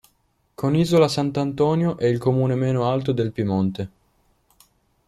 Con Isola Sant'Antonio è il comune meno alto del Piemonte.